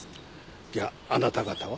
じゃあなた方は？